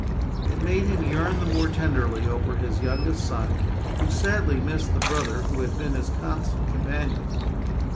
It made him yearn the more tenderly over his youngest son who sadly missed the brother who had been his constant companion.